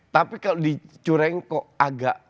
tapi kalau dicureng kok agak